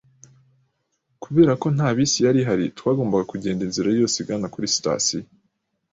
Kubera ko nta bisi yari ihari, twagombaga kugenda inzira yose igana kuri sitasiyo